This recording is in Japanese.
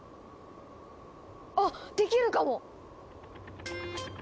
あっできるかも！